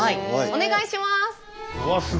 お願いします。